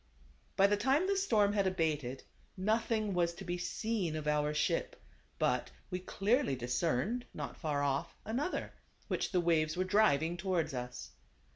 By this time the storm had abated. Nothing was to be seen of our ship, but we clearly dis cerned, not far off, another, which the waves were driving towards us.